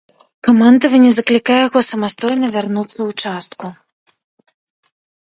Камандаванне заклікае яго самастойна вярнуцца ў частку.